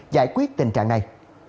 giải quyết tình trạng này